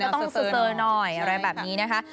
อ๋อก็ต้องเสอหน่อยอะไรแบบนี้นะคะ